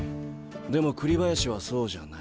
でも栗林はそうじゃない。